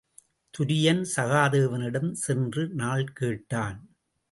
துரியன் சகாதேவனிடம் சென்று நாள் கேட்டான்.